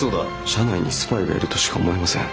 社内にスパイがいるとしか思えません。